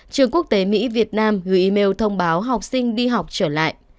trường quốc tế mỹ việt nam gửi email thông báo học sinh đi học trở lại